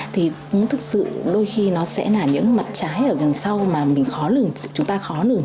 thì cũng thực sự đôi khi nó sẽ là những mặt trái ở đằng sau mà mình khó lừng